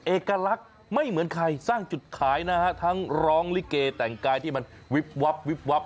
เอกลักษณ์ไม่เหมือนใครสร้างจุดขายนะฮะทั้งร้องลิเกแต่งกายที่มันวิบวับวิบวับ